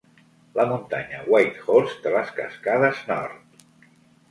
La muntanya Whitehorse de les Cascades Nord.